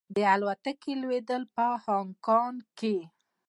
د الوتکې لوېدل په هانګ کې کې.